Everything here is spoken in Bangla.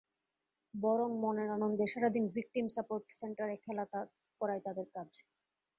বরং মনের আনন্দে সারা দিন ভিকটিম সাপোর্ট সেন্টারে খেলা করাই তাদের কাজ।